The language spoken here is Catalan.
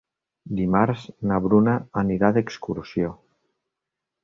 Dimarts na Bruna anirà d'excursió.